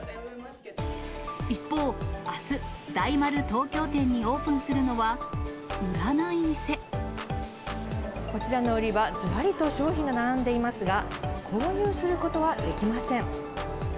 一方、あす、大丸東京店にオープンするのは、こちらの売り場、ずらりと商品が並んでいますが、購入することはできません。